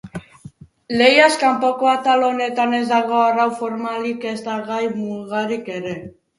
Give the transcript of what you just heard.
Lehiaz kanpoko atal honetan ez dago arau formalik ezta gai-mugarik ere.